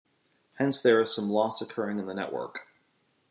Hence, there is some loss occurring in the network.